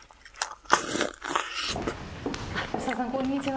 吉沢さん、こんにちは。